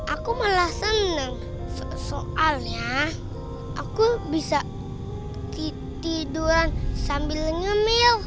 aku malah senang soalnya aku bisa tiduran sambil ngemil